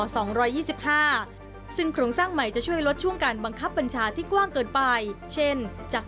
ส่วนเลขาธิการคณะกรรมการการอาชีวาศึกษาต้องดูแลสถาบันอาชีวะทั้งรัฐและเอกชนรวม๘๘๖แห่ง